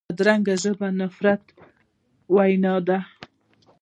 بدرنګه ژبه د نفرت وینا وي